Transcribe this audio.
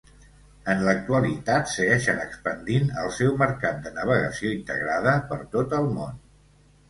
En l'actualitat segueixen expandint el seu mercat de navegació integrada per tot el món.